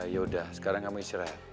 ya udah sekarang kami istirahat